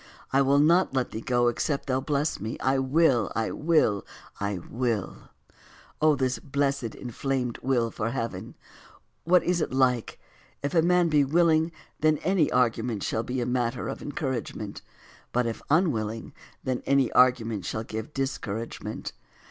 I will not let thee go except thou bless me." I will, I will, I will, O this blessed inflamed will for heaven ! What is it like ! If a man be willing, then any argument shall be matter of encouragement ; but if unwilling, then any argument shall give discouragement.